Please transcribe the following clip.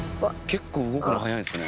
結構動くのはやいんですね。